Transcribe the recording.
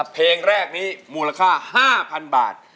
เพลงแรกนี้มูลค่า๕๐๐๐บาท